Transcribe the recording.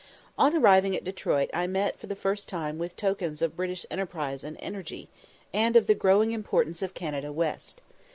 On arriving at Detroit I met for the first time with tokens of British enterprise and energy, and of the growing importance of Canada West.